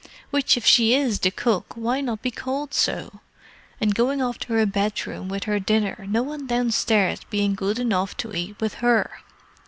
Which if she is the cook, why not be called so? And going off to her bedroom with her dinner, no one downstairs being good enough to eat with her.